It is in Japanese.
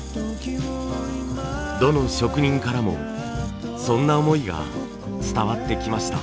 どの職人からもそんな思いが伝わってきました。